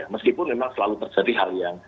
meskipun memang selalu terjadi hal yang